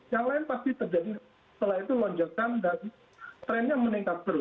yang lain pasti terjadi setelah itu lonjakan dan trennya meningkat terus